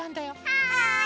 はい！